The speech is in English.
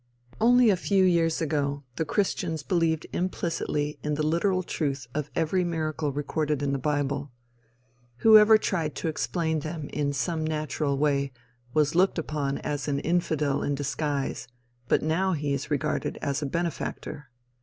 Only a few years ago, the christians believed implicitly in the literal truth of every miracle recorded in the bible. Whoever tried to explain them in some natural way, was looked upon as an infidel in disguise, but now he is regarded as a benefactor.